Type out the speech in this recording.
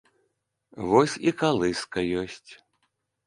Вось і калыска ёсць!